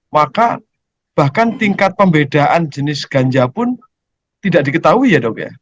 maka bahkan tingkat pembedaan jenis ganja pun tidak diketahui ya dok ya